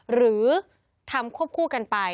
หรือทำควบคู่กันไป